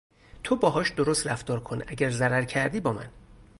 تو باهاش درست رفتار کن اگه ضرر کردی با من